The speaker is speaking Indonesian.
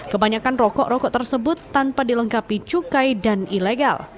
kebanyakan rokok rokok tersebut tanpa dilengkapi cukai dan ilegal